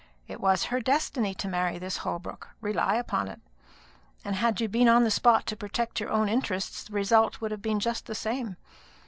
It was her destiny to marry this Holbrook, rely upon it; and had you been on the spot to protect your own interests, the result would have been just the same.